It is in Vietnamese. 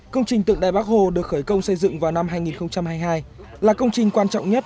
công trình tượng đài bắc hồ được khởi công xây dựng vào năm hai nghìn hai mươi hai là công trình quan trọng nhất